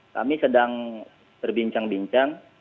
kami sedang berbincang bincang